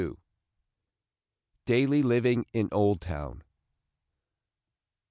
DAILY LIVING IN OLDTOWN.